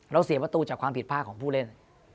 เราเสรียบตู้จากความผิดภาคของผู้เล่น